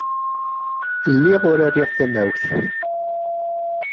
Lliɣ ur rriɣ tamawt.